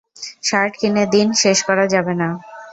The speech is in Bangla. শার্ট কিনে দিন শেষ করা যাবে না।